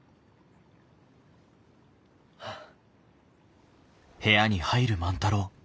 はあ。